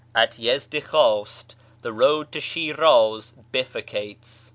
At Yezdikhwast the road to Shiraz bifurcates.